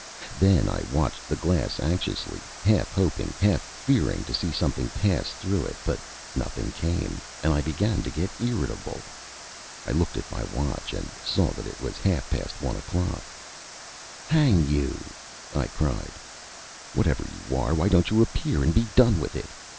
Then I watched the glass anxiously, half hoping, half fearing to see something pass through it; but nothing came, and I began to get irritable. I looked at my watch, and saw that it was half past one o'clock. "Hang you!" I cried, "whatever you are, why don't you appear, and be done with it?